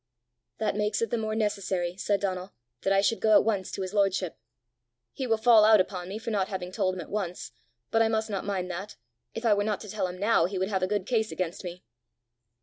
"That makes it the more necessary," said Donal, "that I should go at once to his lordship. He will fall out upon me for not having told him at once; but I must not mind that: if I were not to tell him now, he would have a good case against me."